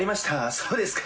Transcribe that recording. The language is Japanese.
そうですか。